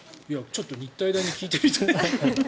ちょっと日体大に聞いてみたい。